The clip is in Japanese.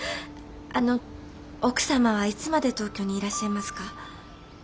あの奥様はいつまで東京にいらっしゃいますか？